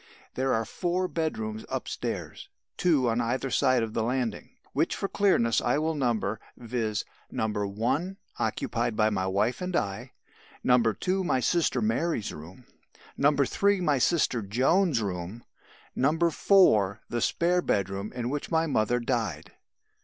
"There are four bedrooms upstairs, two on either side of the landing which for clearness I will number viz., No. 1 occupied by my wife and I; No. 2 my sister Mary's room; No. 3 my sister Joan's room; No. 4 the spare bedroom in which my mother died.